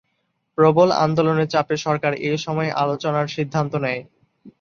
প্রবল আন্দোলনের চাপে সরকার এ সময় আলোচনার সিদ্ধান্ত নেয়।